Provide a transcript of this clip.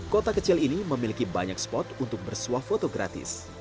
kota kecil ini memiliki banyak spot untuk bersuah foto gratis